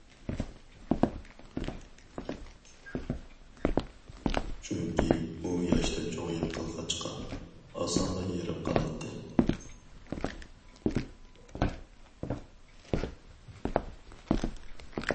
چۈنكى ئۇ ياشتا چوڭىيىپ قالغاچقا، ئاسانلا ھېرىپ قالاتتى.